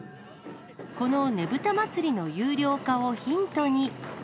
このねぶた祭の有料化をヒントに。